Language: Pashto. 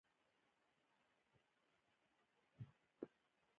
بامیان د ټولو افغان ماشومانو د زده کړې یوه لویه موضوع ده.